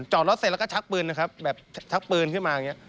จอดรถเสร็จแล้วก็ชักปืนนะครับแบบชักปืนขึ้นมาอย่างนี้